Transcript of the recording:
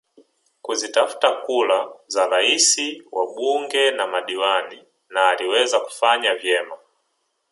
Kuzitafuta kura za Rais wabunge na madiwani na aliweza kufanya vyema